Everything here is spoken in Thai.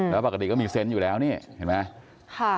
แล้วปกติก็มีเซนต์อยู่แล้วนี่เห็นไหม